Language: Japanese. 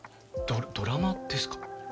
ドラマですか？